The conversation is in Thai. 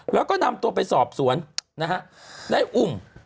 แล้วก็นำตัวไปสอบสวนในอุ่ม